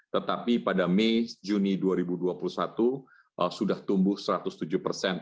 tetapi pada mei juni dua ribu dua puluh satu sudah tumbuh satu ratus tujuh persen